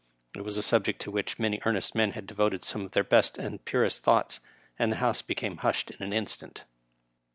It was a subject to which many earnest men had devoted some of their best and purest thoughts, and the House became hushed in an instant.